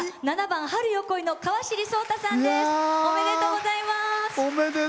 ７番「春よ、来い」のかわしりさんです。